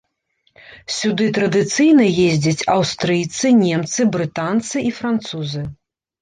Сюды традыцыйна ездзяць аўстрыйцы, немцы, брытанцы і французы.